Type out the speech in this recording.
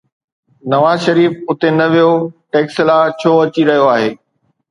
نواز شريف اتي نه ويو، ٽيڪسلا ڇو اچي رهيو آهي؟